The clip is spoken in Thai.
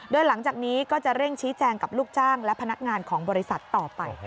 โดยหลังจากนี้ก็จะเร่งชี้แจงกับลูกจ้างและพนักงานของบริษัทต่อไป